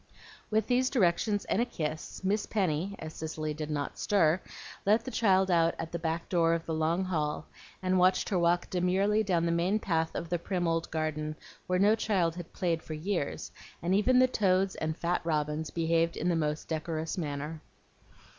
With these directions and a kiss, Miss Penny, as Cicely did not stir, let the child out at the back door of the long hall, and watched her walk demurely down the main path of the prim old garden, where no child had played for years, and even the toads and fat robins behaved in the most decorous manner.